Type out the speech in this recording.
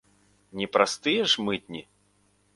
Не праз тыя ж мытні?